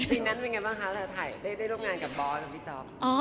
ปีนั้นเป็นยังไงบ้างคะถ้าถ่ายได้ได้ร่วมงานกับบอสพี่จ๊อป